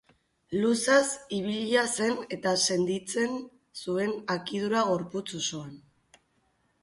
Luzaz ibilia zen eta senditzen zuen akidura gorputz osoan.